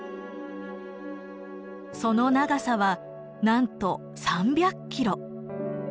その長さはなんと３００キロ。